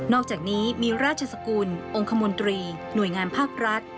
อกจากนี้มีราชสกุลองค์คมนตรีหน่วยงานภาครัฐ